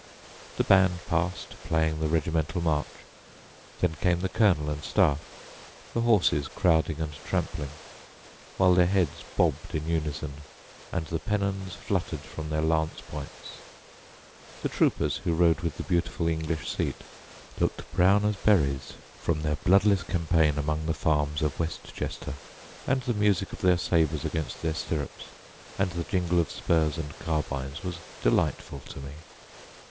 The band passed, playing the regimental march, then came the colonel and staff, the horses crowding and trampling, while their heads bobbed in unison, and the pennons fluttered from their lance points. The troopers, who rode with the beautiful English seat, looked brown as berries from their bloodless campaign among the farms of Westchester, and the music of their sabres against the stirrups, and the jingle of spurs and carbines was delightful to me.